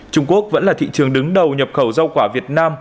trung quốc vẫn là thị trường đứng đầu nhập khẩu rau quả việt nam